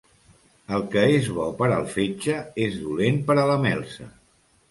El que és bo per al fetge és dolent per a la melsa.